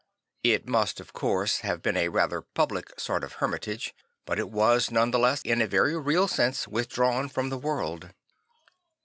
I t must of course have been a rather public sort of hermitage, but it was none the less in a very real sense withdrawn from the world.